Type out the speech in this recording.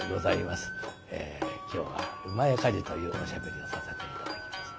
今日は「厩火事」というおしゃべりをさせて頂きます。